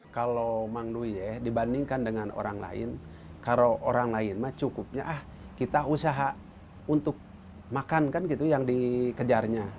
kalau mang duyeh dibandingkan dengan orang lain kalau orang lain mah cukupnya ah kita usaha untuk makan kan gitu yang dikejarnya